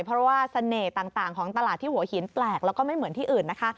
เพราะว่าเสน่ห์ต่างของตลาดที่หัวหินแปลกแล้วก็ไม่เหมือนที่อื่นนะคะ